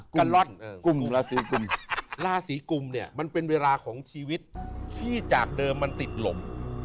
กะล่อนกลุ่มราศีกุมราศีกุมเนี่ยมันเป็นเวลาของชีวิตที่จากเดิมมันติดลม